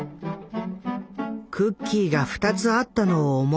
「クッキーが２つあったのを思い出すよ